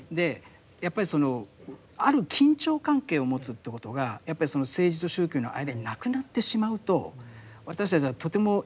やっぱりそのある緊張関係を持つということがやっぱり政治と宗教の間になくなってしまうと私たちはとても悲劇的な出来事を